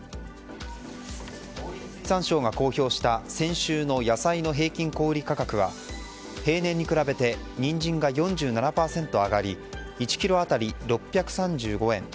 農林水産省が公表した先週の野菜の平均小売価格は平年に比べてニンジンが４７％上がり１ｋｇ当たり６３５円